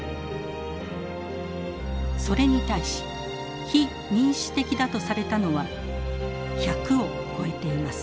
それに対し非民主的だとされたのは１００を超えています。